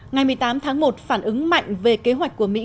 ngày một mươi tám tháng một phản ứng mạnh về kế hoạch của mỹ